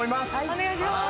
お願いします！